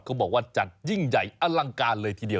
เขาบอกว่าจัดยิ่งใหญ่อลังการเลยทีเดียว